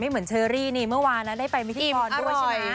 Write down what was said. เหมือนเชอรี่นี่เมื่อวานนะได้ไปพิธีกรด้วยใช่ไหม